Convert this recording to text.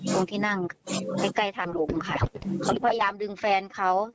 ตรงที่นั่งใกล้ใกล้ทางลงค่ะเขาพยายามดึงแฟนเขา